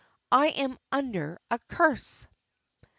I am under a curse.